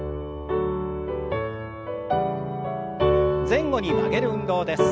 前後に曲げる運動です。